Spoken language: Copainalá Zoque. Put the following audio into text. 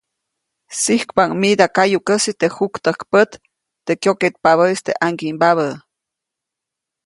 Sijkpaʼuŋ mida kayukäsi teʼ juktäjkpät, teʼ kyoketpabäʼis teʼ ʼaŋgiʼmbabä.